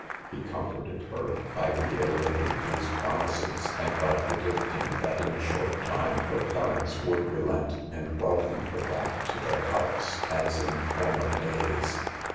He comforted her by reitera ting these promises, and by predicting that in a short time her parents would relent and wel THE EVILS OF I)ANCING. come her back to their hearts as in former days.